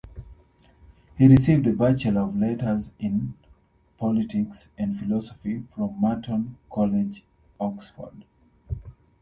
He received a Bachelor of Letters in politics and philosophy from Merton College, Oxford.